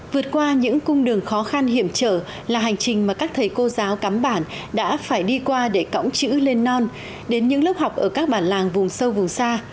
vượt qua những cung đường khó khăn hiểm trở là hành trình mà các thầy cô giáo cắm bản đã phải đi qua để cõng chữ lên non đến những lớp học ở các bản làng vùng sâu vùng xa